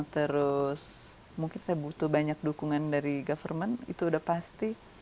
terus mungkin saya butuh banyak dukungan dari government itu udah pasti